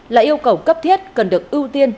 là yêu cầu cấp thiết cần được ưu tiên